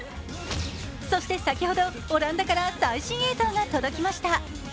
そして先ほど、オランダから最新映像が届きました。